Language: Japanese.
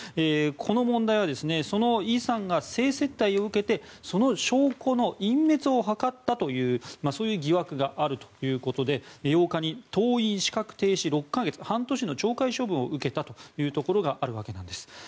この問題はイさんが性接待を受けてその証拠の隠滅を図ったというそういう疑惑があるということで８日、党員資格停止６か月半年の懲戒処分を受けたというところがあるわけです。